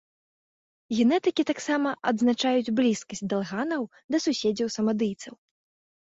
Генетыкі таксама адзначаюць блізкасць далганаў да суседзяў-самадыйцаў.